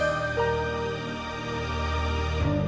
ate bisa menikah